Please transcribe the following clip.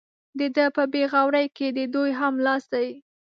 د ده په بې غورۍ کې د دوی هم لاس دی.